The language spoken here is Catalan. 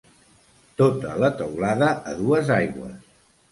Tota la teulada a dues aigües.